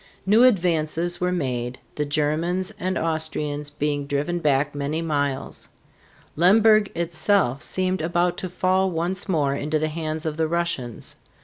New advances were made, the Germans and Austrians being driven back many miles. Lemberg itself seemed about to fall once more into the hands of the Russians.